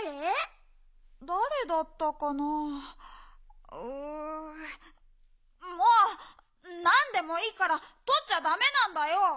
だれだったかなう。もうっなんでもいいからとっちゃダメなんだよ！